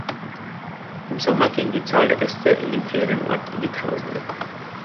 Im Sommer ging die Zahl der Gäste in dem Ferienort in die Tausende.